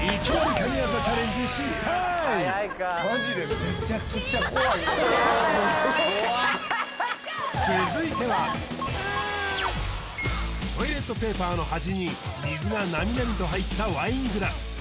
失敗続いてはトイレットペーパーの端に水がなみなみと入ったワイングラス